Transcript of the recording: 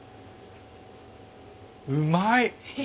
うまい。